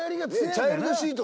「チャイルドシート